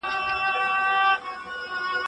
خو د خوښیو لکه بنه بدي سمه